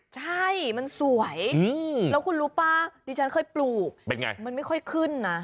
ใช่มันสวยแล้วคุณรู้ป่ะดิฉันเคยปลูกเป็นไงมันไม่ค่อยขึ้นนะ